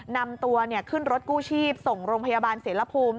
นำตัวขึ้นรถกู้ชีพส่งโรงพยาบาลเสรภูมิ